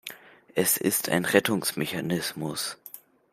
Es ist ein Rettungsmechanismus.